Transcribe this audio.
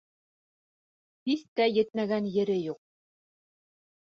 Һис тә етмәгән ере юҡ.